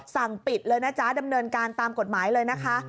สั่งปิดเลยนะจ๊ะดำเนินการตามกฎหมายเลยนะคะ